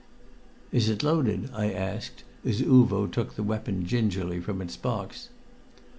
"Is it loaded?" I asked as Uvo took the weapon gingerly from its box.